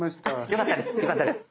よかったです。